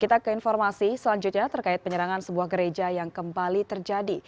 kita ke informasi selanjutnya terkait penyerangan sebuah gereja yang kembali terjadi